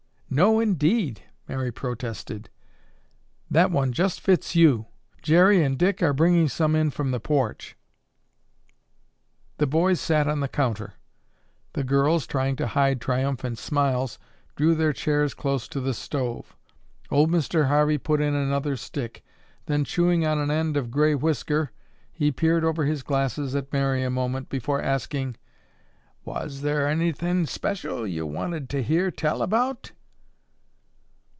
"No, indeed!" Mary protested. "That one just fits you. Jerry and Dick are bringing some in from the porch." The boys sat on the counter. The girls, trying to hide triumphant smiles, drew their chairs close to the stove. Old Mr. Harvey put in another stick. Then, chewing on an end of gray whisker, he peered over his glasses at Mary a moment, before asking, "Was thar anythin' special yo' wanted to hear tell about?"